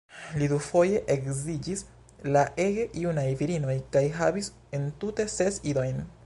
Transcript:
Li dufoje edziĝis al ege junaj virinoj kaj havis entute ses idojn.